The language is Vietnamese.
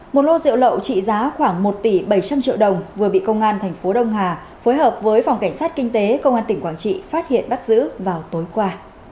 một lô rượu lậu trị giá khoảng một tỷ bảy trăm linh triệu đồng vừa bị công an thành phố đông hà phối hợp với phòng cảnh sát kinh tế công an tỉnh quảng trị phát hiện bắt giữ vào tối qua